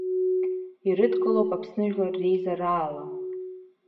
Ирыдкылоуп Аԥсны Жәлар Реизараала…